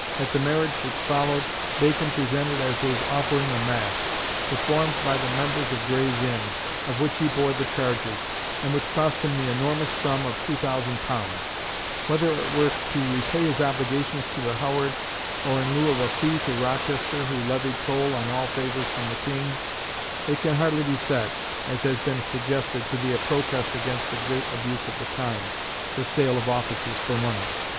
At the marriage which followed Bacon presented as his offering a masque, performed by the members of Gray's Inn, of which he bore the charges, and which cost him the enormous sum of £2000. Whether it were to repay his obligations to the Howards, or in lieu of a "fee" to Rochester, who levied toll on all favours from the King, it can hardly be said, as has been suggested, to be a protest against the great abuse of the times, the sale of offices for money.